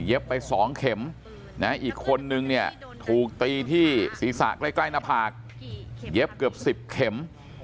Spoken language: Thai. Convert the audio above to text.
ไป๒เข็มอีกคนนึงเนี่ยถูกตีที่ศีรษะใกล้หน้าผากเย็บเกือบ๑๐เข็ม